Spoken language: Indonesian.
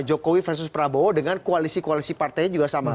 jokowi versus prabowo dengan koalisi koalisi partainya juga sama